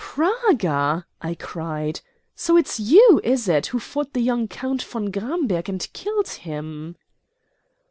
"Praga!" I cried. "So it's you, is it, who fought the young Count von Gramberg and killed him?"